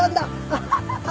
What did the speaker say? アハハハ！